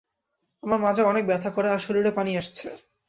আমার মাজা অনেক ব্যথা করে আর শরীরে পানি আসছে।